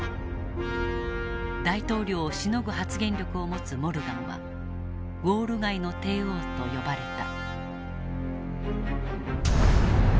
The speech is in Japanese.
大統領をしのぐ発言力を持つモルガンはウォール街の帝王と呼ばれた。